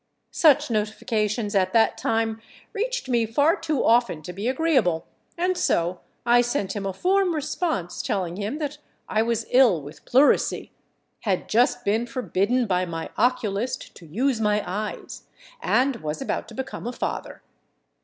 Such notifications, at that time, reached me far too often to be agreeable, and so I sent him a form response telling him that I was ill with pleurisy, had just been forbidden by my oculist to use my eyes, and was about to become a father.